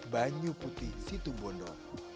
banyu putih situmbondo